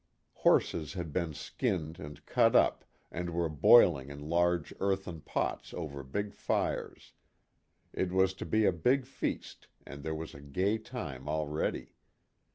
Horses had been skinned and cut up aiad were boiling in large earthen pots over big fires it was to be a big feast and there was a gay time already.